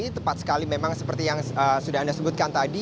tepat sekali memang seperti yang sudah anda sebutkan tadi